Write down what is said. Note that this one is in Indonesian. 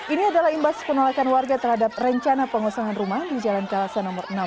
ini adalah imbas penolakan warga terhadap rencana pengosongan rumah di jalan kalasan nomor enam belas